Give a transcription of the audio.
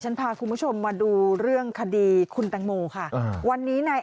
พาคุณผู้ชมมาดูเรื่องคดีคุณแตงโมค่ะวันนี้นาย